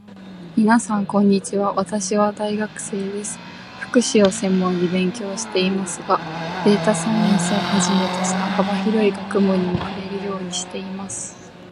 みなさん、こんにちは。私は大学生です。福祉を専門に勉強していますが、データサイエンスをはじめとした幅広い学問にも触れるようにしています。